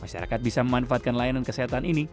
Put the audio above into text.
masyarakat bisa memanfaatkan layanan kesehatan ini